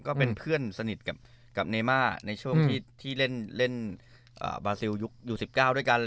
ก็เป็นเพื่อนสนิทกับเนม่าในช่วงที่เล่นบาซิลยุคอยู่๑๙ด้วยกัน